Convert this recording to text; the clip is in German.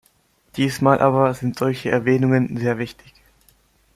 Diesmal aber sind solche Erwähnungen sehr wichtig.